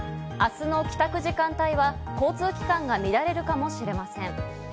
明日の帰宅時間帯は交通機関が乱れるかもしれません。